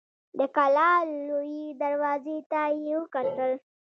د کلا لويي دروازې ته يې وکتل.